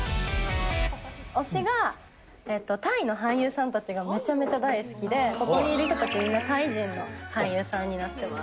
推しが、タイの俳優さんたちがめちゃめちゃ大好きで、ここにいる人たち、みんなタイ人の俳優さんになってます。